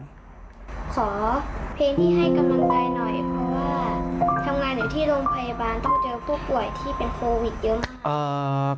เพลงที่ให้กำลังใจหน่อยเพราะว่าทำงานอยู่ที่โรงพยาบาลต้องเจอผู้ป่วยที่เป็นโควิดเยอะมาก